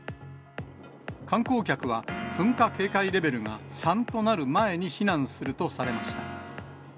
観光客は噴火警戒レベルが３となる前に避難するとされました。